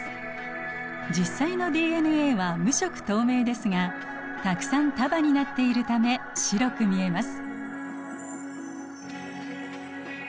実際のＤＮＡは無色透明ですがたくさん束になっているため白く見えます。